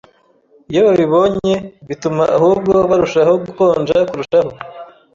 iyo babibonye bituma ahubwo barushaho gukonja kurushaho.